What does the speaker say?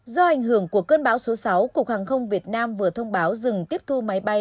do ảnh hưởng của cơn bão số sáu cục hàng không việt nam vừa thông báo dừng tiếp thu máy bay